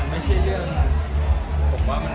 ไม่ใช่เรื่องคล้ายแหลง